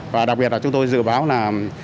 và đặc biệt là chúng tôi dự báo là